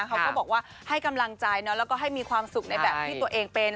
เขาก็บอกว่าให้กำลังใจแล้วก็ให้มีความสุขในแบบที่ตัวเองเป็น